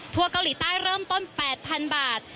เกาหลีใต้เริ่มต้น๘๐๐๐บาท